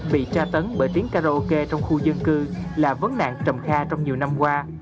bị tra tấn bởi tiếng karaoke trong khu dân cư là vấn nạn trầm kha trong nhiều năm qua